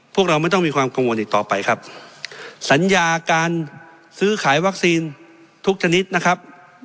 พวกเราไม่ต้องมีความกังวลอีกต่อไปครับสัญญาการซื้อขายวัคซีนทุกชนิดนะครับ